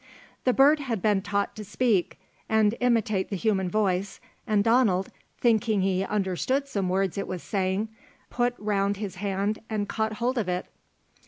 The bird had been taught to speak, and imitate the human voice, and Donald, thinking he understood some words it was saying, put round his hand and caught hold of it.